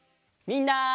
みんな。